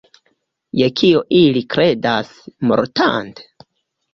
Je kio ili kredas, mortante?